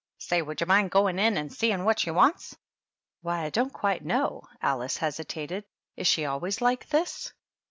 "Say, would you mind going in and seeing what she wants?" "Why, I don't quite know," Alice hesitated. "Is she always like this?"